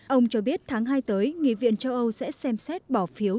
ông cho biết tháng hai tới nghị viện châu âu sẽ xem xét bỏ phiếu